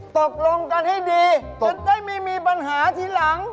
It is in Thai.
ตกลงกันให้ดีจะได้ไม่มีปัญหาทีหลัง